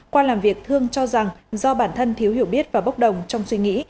qua làm việc thương cho rằng do bản thân thiếu hiểu biết và bốc đồng trong suy nghĩ